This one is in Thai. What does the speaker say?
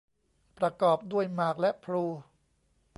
ประกอบด้วยหมากและพลู